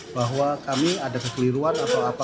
bahwa kami ada kekeliruan atau apa